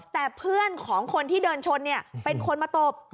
แต่เพื่อนของคนที่เดินชนเป็นคนมาตบ